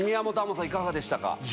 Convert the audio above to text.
門さんいかがでしたか？